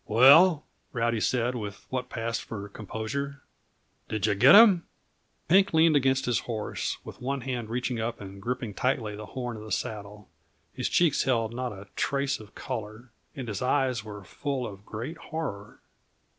"Well," Rowdy said, with what passed for composure, "did you get him?" Pink leaned against his horse, with one hand reaching up and gripping tightly the horn of the saddle. His cheeks held not a trace of color, and his eyes were full of a great horror.